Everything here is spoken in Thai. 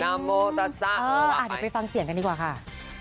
นามโมตัสซ่าเออเอาเดี๋ยวไปฟังเสียงกันดีกว่าค่ะ